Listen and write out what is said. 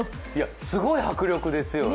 すごい迫力ですよね。